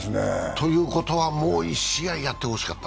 ということはもう１試合やってほしかった？